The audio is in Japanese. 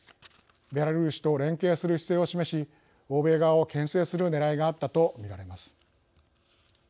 ベラルーシと連携する姿勢を示し欧米側をけん制するねらいがあったと見られます。